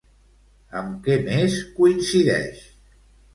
Amb què més coincideix?